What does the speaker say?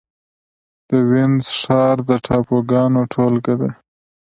د وينز ښار د ټاپوګانو ټولګه ده.